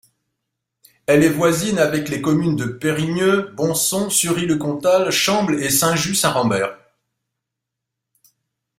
Elle est voisine avec les communes de Périgneux, Bonson, Sury-le-Comtal, Chambles et Saint-Just-Saint-Rambert.